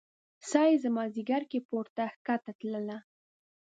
ساه يې زما ځیګر کې پورته کښته تلله